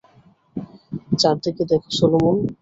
চারদিকে দেখো সলোমন।